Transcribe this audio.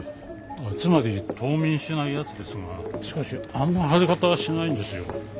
つまり冬眠しないやつですがしかしあんな腫れ方はしないんですよ。